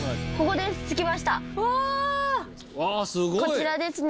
こちらですね。